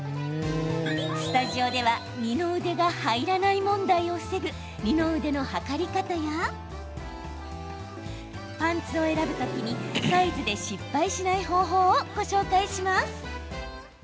スタジオでは二の腕が入らない問題を防ぐ二の腕の測り方やパンツを選ぶ時にサイズで失敗しない方法をご紹介します。